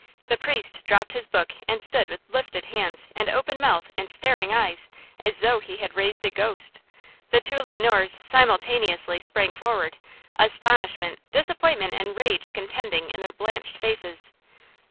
The priest dropped his book and stood with lifted hands and open mouth and staring eyes as though he had raised a ghost! The two Le Noirs simultaneously sprang forward, astonishment, disappointment and rage contending in their blanched faces.